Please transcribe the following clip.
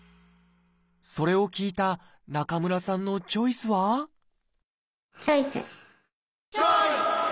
それを聞いた中村さんのチョイスはチョイス！